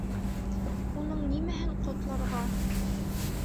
Уның нимәһен ҡотларға?